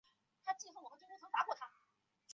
第一次在审判中的表现是在有关纳粹的罪行上。